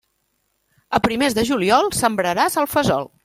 A primers de juliol, sembraràs el fesol.